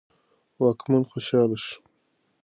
واکمن خوشاله شو.